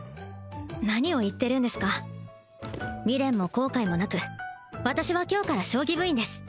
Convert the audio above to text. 何を言ってるんですか未練も後悔もなく私は今日から将棋部員です